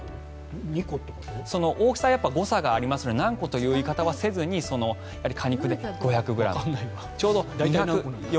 大きさは誤差があるので何個という言い方はせずに果肉で５００ｇ。